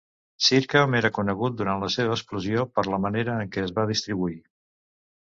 Sircam era conegut durant la seva explosió per la manera en què es va distribuir.